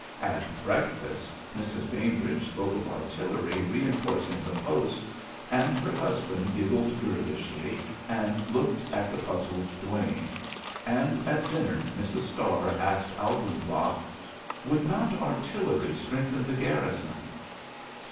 At breakfast Mrs. Bainbridge spoke of artillery reinforcing the post, and her husband giggled girlishly and looked at the puzzled Duane; and at dinner Mrs. Starr asked Albumblatt, would not artillery strengthen the garrison?